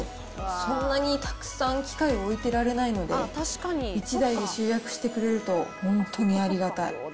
そんなにたくさん機械置いてられないので、１台で集約してくれると本当にありがたい。